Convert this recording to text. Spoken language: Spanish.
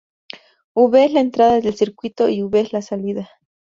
V es la entrada del circuito y V es la salida.